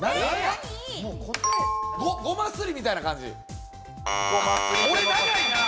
ゴマすりみたいな感じ。